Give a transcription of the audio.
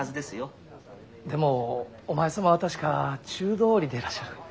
でもお前様は確か中通りでいらっしゃる。